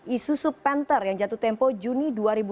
isuzu panther yang jatuh tempo juni dua ribu sepuluh